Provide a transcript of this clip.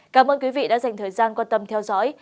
cảm ơn quý vị đã dành thời gian quan tâm theo dõi